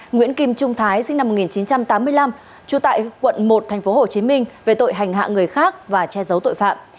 nguyễn kim trung thái sinh năm một nghìn chín trăm tám mươi năm trụ tại quận một tp hcm về tội hành hạ người khác và che giấu tội phạm